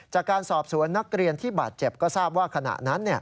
จากการสอบสวนนักเรียนที่บาดเจ็บก็ทราบว่าขณะนั้น